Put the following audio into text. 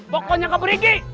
pokoknya gak pergi